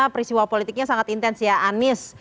peristiwa politiknya sangat intens ya anies